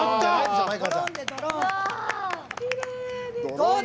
どうだ！